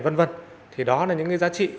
vân vân thì đó là những giá trị